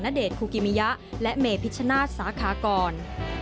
เดชคูกิมิยะและเมพิชชนาศสาขากร